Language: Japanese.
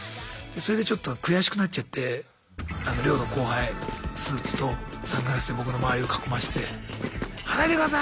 それでちょっと悔しくなっちゃって寮の後輩スーツとサングラスで僕の周りを囲まして「離れてください！」